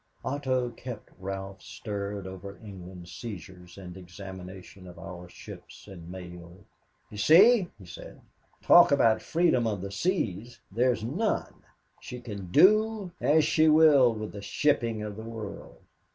Otto kept Ralph stirred over England's seizures and examination of our ships and mail. "You see," he said, "talk about freedom of the seas there is none. She can do as she will with the shipping of the world.